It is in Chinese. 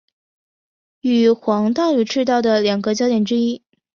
为黄道与赤道的两个交点之一。